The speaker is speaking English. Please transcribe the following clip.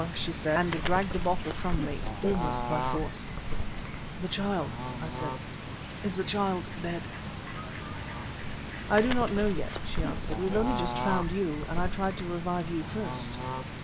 she said, and dragged the bottle from me almost by force. "The child," I said—"is the child dead?" "I do not know yet," she answered. "We have only just found you, and I tried to revive you first."